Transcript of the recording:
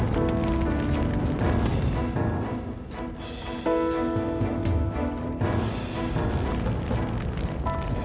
tutup aja ya bu orangnya